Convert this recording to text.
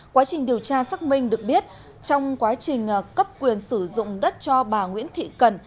quá trình điều tra xác minh được biết trong quá trình cấp quyền sử dụng đất cho bà nguyễn thị cần